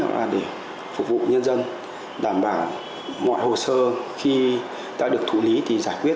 là để phục vụ nhân dân đảm bảo mọi hồ sơ khi đã được thủ lý